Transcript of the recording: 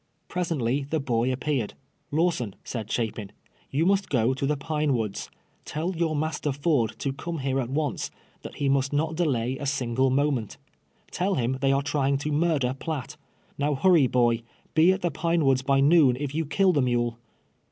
Pres ently the boy appeared. '" Lawson," said Chapin, "you must go to the Pine Woods. Tell your master Ford to come here at once — that he must not delay a single moment. Tell him they are trying to murder Piatt. Kow hurry, boy. Be at the Pine "Woocls by noon if you kill the mule."